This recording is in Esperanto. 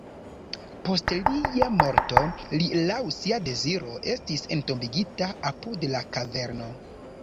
Post lia morto li laŭ sia deziro estis entombigita apud la kaverno.